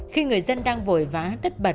khi người dân đang vội vã tất bật